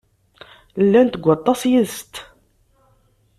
Llant deg aṭas yid-sent.